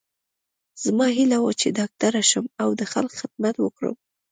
زما هیله وه چې ډاکټره شم او د خلکو خدمت وکړم